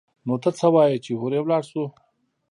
نو ته څه وايي چې هورې ولاړ سو؟